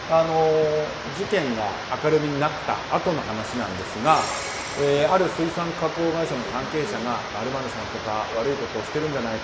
事件が明るみになったあとの話なんですがある水産加工会社の関係者が○○さんとか悪いことしてるんじゃないか。